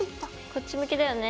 こっち向きだよね？